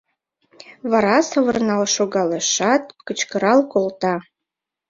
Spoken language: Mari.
Вара савырнал шогалешат, кычкырал колта: